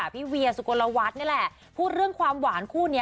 พี่เวียสุกลวัฒน์นี่แหละพูดเรื่องความหวานคู่นี้